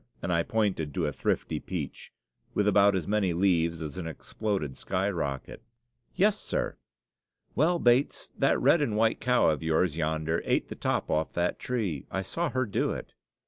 and I pointed to a thrifty peach, with about as many leaves as an exploded sky rocket. "Yes, sir." "Well, Bates, that red and white cow of yours yonder ate the top off that tree; I saw her do it."